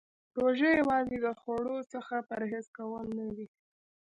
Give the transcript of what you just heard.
روژه یوازې د خوړو څخه پرهیز کول نه دی .